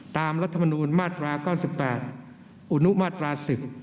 รัฐมนูลมาตรา๙๘อนุมาตรา๑๐